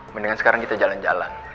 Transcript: mendingan sekarang kita jalan jalan